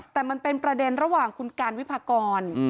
แต่มันเป็นประเด็นระหว่างคุณการวิพากร